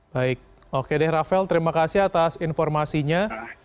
baik oke deh rafael terima kasih atas informasinya